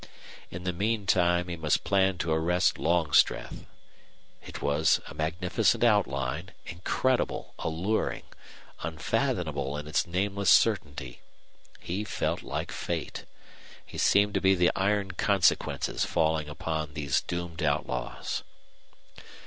In the mean time he must plan to arrest Longstreth. It was a magnificent outline, incredible, alluring, unfathomable in its nameless certainty. He felt like fate. He seemed to be the iron consequences falling upon these doomed outlaws.